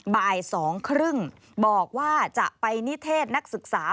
บ่าย๒๓๐บอกว่าจะไปนิเทศนักศึกษา